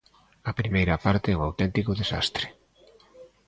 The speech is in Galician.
A primeira parte é un auténtico desastre.